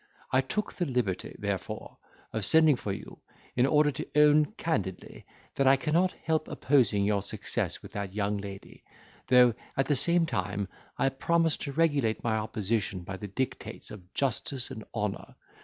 I took the liberty, therefore, of sending for you, in order to own candidly, that I cannot help opposing your success with that young lady; though, at the same time I promise to regulate my opposition by the dictates of justice and honour.